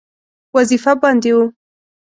وظیفه باندې وو.